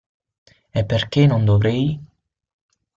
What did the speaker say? E perché non dovrei?